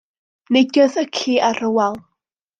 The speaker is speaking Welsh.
Neidiodd y ci ar y wal.